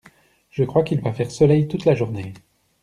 Je crois qu’il va faire soleil toute la journée.